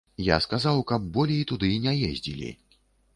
Я сказаў, каб болей туды не ездзілі.